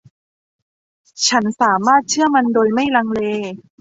ฉันสามารถเชื่อมันโดยไม่ลังเล